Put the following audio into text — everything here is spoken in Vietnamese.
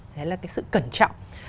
đấy là cái sự cẩn trọng